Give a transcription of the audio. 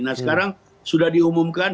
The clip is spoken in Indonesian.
nah sekarang sudah diumumkan